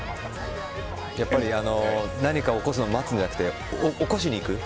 やっぱり、何かが起こるのを待つんじゃなくて起こしに行く。